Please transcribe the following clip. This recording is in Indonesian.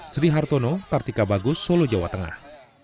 sri hartono kartika bagus solo jawa tengah